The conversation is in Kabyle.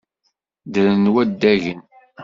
Ddren waddagen.